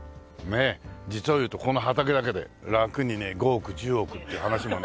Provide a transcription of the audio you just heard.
実を言うとこの畑だけでラクにね５億１０億っていう話もね出てるんですけどね。